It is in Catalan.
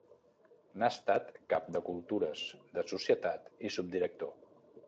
N'ha estat cap de Cultures, de Societat i subdirector.